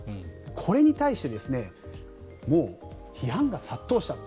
これに対してもう批判が殺到したと。